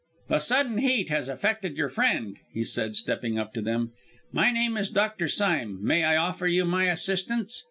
"The sudden heat has affected your friend," he said, stepping up to them. "My name is Dr. Sime; may I offer you my assistance?"